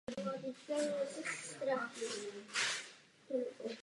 Král Petr prosazoval myšlenku sjednocení jižních Slovanů.